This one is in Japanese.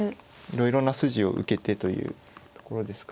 いろいろな筋を受けてというところですかね。